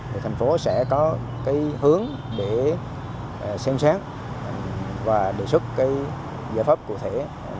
thì thành phố sẽ có cái hướng để xem xét và đề xuất cái giải pháp cụ thể